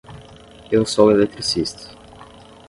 Eu sou eletricista.